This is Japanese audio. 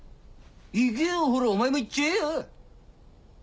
行けよほらお前も行っちゃえよ！